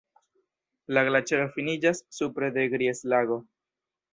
La glaĉero finiĝas supre de Gries-Lago.